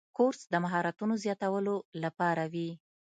کورس د مهارتونو زیاتولو لپاره وي.